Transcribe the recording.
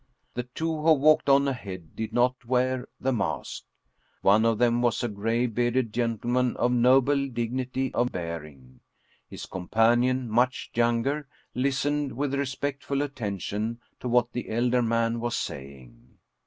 The two who walked on ahead did not wear the mask. One of them was a gray bearded gentleman of noble dignity of bearing ; his companion, much younger, listened with respectful attention to what the elder man was saying.